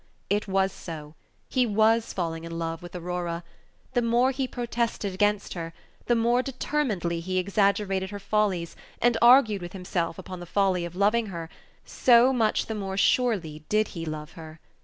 It was so; he was falling in love with Aurora. The more he protested against her, the more determinedly he exaggerated her follies, and argued with himself upon the folly of loving her, so much the more surely did he love her.